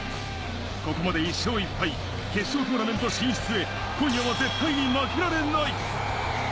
ここまで１勝１敗、決勝トーナメント進出へ、今夜は絶対に負けられない。